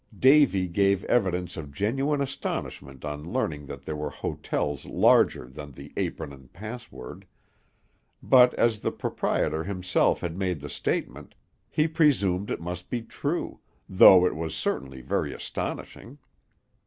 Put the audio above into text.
Davy gave evidence of genuine astonishment on learning that there were hotels larger than the "Apron and Password;" but as the proprietor himself had made the statement, he presumed it must be true, though it was certainly very astonishing.